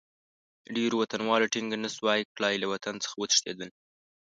ډېرو وطنوالو ټینګه نه شوای کړای، له وطن څخه وتښتېدل.